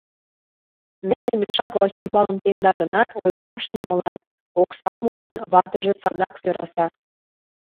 Неле мешак вачӱмбалым темда гынат, ойгыраш нимолан: оксам ужын, ватыже садак сӧраса.